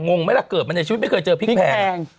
งงไหมล่ะเกือบอันใดชีวิตไม่เคยเจอพริกแพงแพง